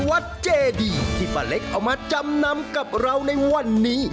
เจดีที่ป้าเล็กเอามาจำนำกับเราในวันนี้